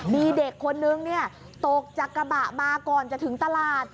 มีเด็กคนนึงตกจากกระบะมาก่อนจะถึงตลาด